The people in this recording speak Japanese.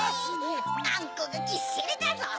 あんこがぎっしりだゾウ。